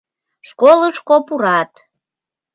Школышко пурат.